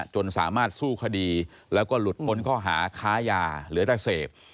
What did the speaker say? จนสามารถสู้คดีแล้วก็หลุดพ้นข้อหาค้ายาเหลือแต่เสพ